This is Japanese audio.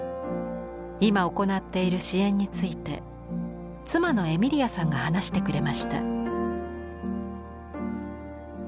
今行っている支援について妻のエミリアさんが話してくれました。